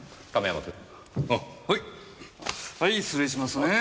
はい失礼しますね。